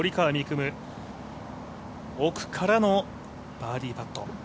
夢、奥からの、バーディーパット。